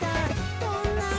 そんなに？